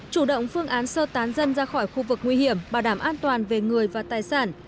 chủ động phương án sơ tán dân ra khỏi khu vực nguy hiểm bảo đảm an toàn về người và tài sản